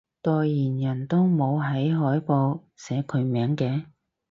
代言人都冇喺海報寫佢名嘅？